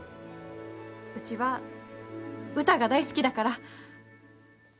うちは歌が大好きだから。